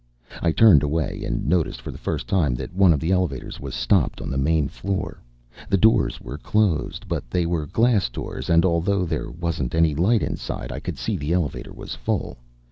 I turned away and noticed for the first time that one of the elevators was stopped on the main floor. The doors were closed, but they were glass doors, and although there wasn't any light inside, I could see the elevator was full.